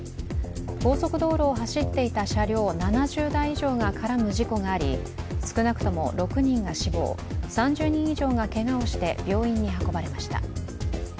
高速道路を走っていた車両７０台以上が絡む事故があり、少なくとも６人が死亡、３０人以上がけがをして病院に運ばれました。